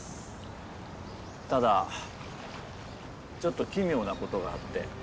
ただちょっと奇妙な事があって。